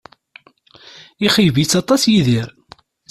Ixeyyeb-itt aṭas Yidir